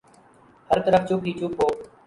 ہر طرف چپ ہی چپ ہو۔